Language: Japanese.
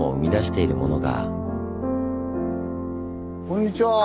こんにちは。